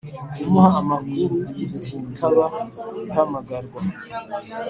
kumuha amakuru utitaba ihamagarwa